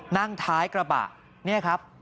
นั่งท้ายกระบะนี่ครับ